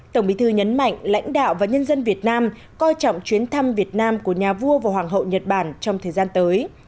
tổng bí thư nhấn mạnh lãnh đạo và nhân dân việt nam coi trọng chuyến thăm việt nam của nhà vua và hoàng hậu nhật bản trong thời gian tới